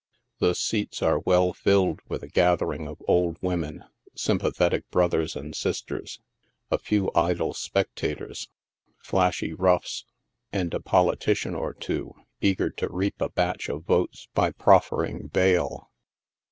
The seats are well filled with a gathering of old women, sympathetic brothers and sisters, a few idle spectators, flashy roughs, and a politician or two, eager to reap a batch of votes by proffer ing bail.